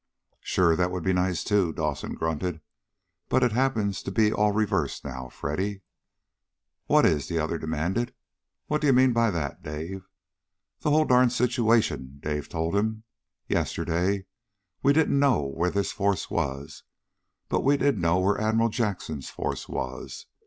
"Sure, that would be nice, too," Dawson grunted. "But it happens to be all reversed now, Freddy." "What is?" the other demanded. "What do you mean by that, Dave?" "The whole darn situation," Dawson told him. "Yesterday we didn't know where this force was, but we did know where Admiral Jackson's force was.